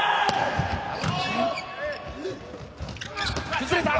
崩れた。